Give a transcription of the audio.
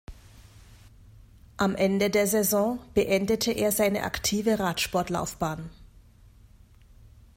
Am Ende der Saison beendete er seine aktive Radsportlaufbahn.